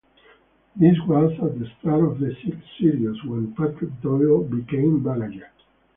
This was at the start of the sixth series, when Patrick Doyle became manager.